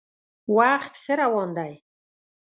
وخت ښه روان دی.